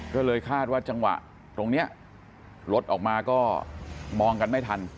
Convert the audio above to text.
ก็เลยคาดว่าจังหวะตรงนี้รถออกมาก็มองกันไม่ทัน